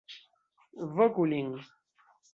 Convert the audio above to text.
Voku lin!